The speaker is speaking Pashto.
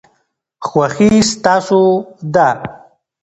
خوښي ستاسو ده.